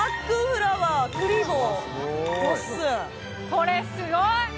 これすごい！